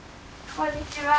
こんにちは。